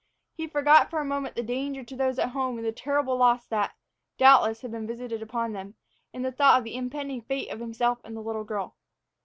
He forgot for a moment the danger to those at home and the terrible loss that, doubtless, had been visited upon them, in the thought of the impending fate of himself and the little girl.